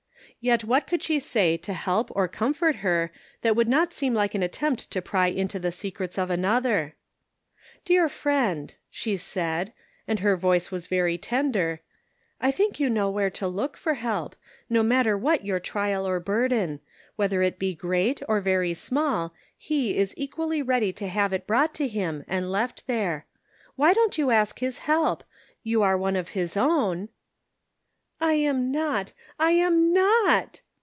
Yet what could she say to help or comfort her that would not seem like an attempt to pry into the secrets of another ?" Dear friend," she said — and her voice was very tender —" I think you know where to look 294 The Pocket Measure, for help, no matter what your trial or burden ; whether it be great or very small, He is equally ready to have it brought to him and left there. Why don't you ask his help? You are one of his own." "I am not, I am not!"